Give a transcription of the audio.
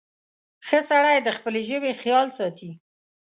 • ښه سړی د خپلې ژبې خیال ساتي.